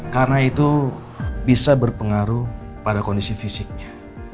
karena itu bisa berpengaruh pada kondisi fisiknya